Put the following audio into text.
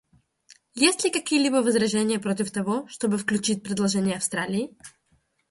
Есть ли какие-либо возражения против того, чтобы включить предложение Австралии?